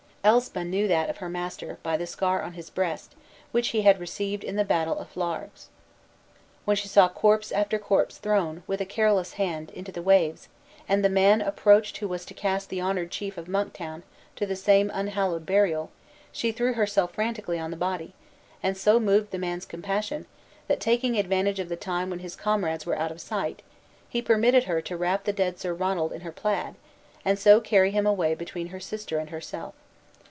Elspa knew that of her master, by the scar on his breast, which he had received in the battle of Largs. When she saw corpse after corpse thrown, with a careless hand, into the waves, and the man approached who was to cast the honored chief of Monktown, to the same unhallowed burial, she threw herself frantically on the body, and so moved the man's compassion, that, taking advantage of the time when his comrades were out of sight, he permitted her to wrap the dead Sir Ronald in her plaid, and so carry him away between her sister and herself.